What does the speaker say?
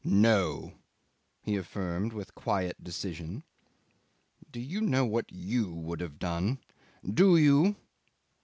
"No," he affirmed with quiet decision. "Do you know what you would have done? Do you?